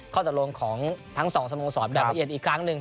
ข้อตรงของทั้งสองสำหรับสอนแบบละเอียดอีกครั้งหนึ่ง